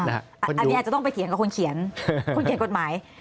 อันนี้จะต้องไปเขียงกับคนเขียนกฏหมาย